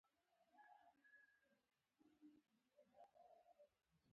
کمپیوټر د معلوماتو ذخیره ده